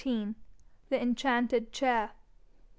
THE ENCHANTED CHAIR.